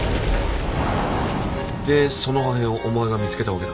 でその破片をお前が見つけたわけだ。